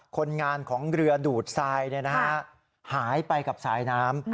คนงานของเรือดูดทรายหายไปกับสายน้ำ